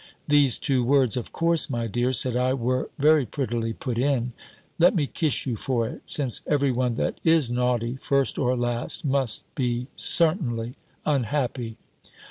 "These two words, of course, my dear," said I, "were very prettily put in: let me kiss you for it: since every one that is naughty, first or last, must be certainly unhappy.